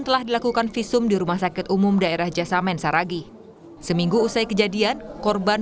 telah dilakukan visum di rumah sakit umum daerah jasamen saragih seminggu usai kejadian korban